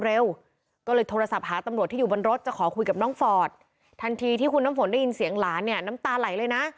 ก็เลยโทรศัพท์หาตำรวจที่อยู่บนรถจะขอคุยกับน้องฟอร์ดทันทีที่คุณน้ำฝนได้ยินเสียงหลานเนี่ยน้ำตาไหลเลยนะ